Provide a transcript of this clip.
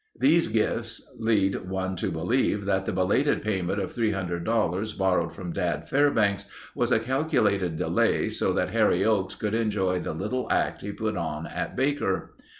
These gifts lead one to believe that the belated payment of $300 borrowed from Dad Fairbanks was a calculated delay so that Harry Oakes could enjoy the little act he put on at Baker.